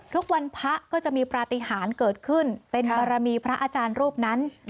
ทุกวันพระก็จะมีปฏิหารเกิดขึ้นเป็นบารมีพระอาจารย์รูปนั้น